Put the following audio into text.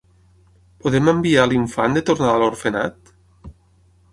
Podem enviar l'infant de tornada a l'orfenat?